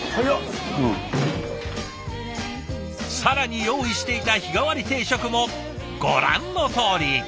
更に用意していた日替わり定食もご覧のとおり。